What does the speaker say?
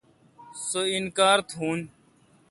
سو انکار تھون۔